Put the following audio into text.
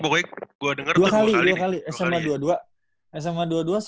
pokoknya gue denger tuh dua kali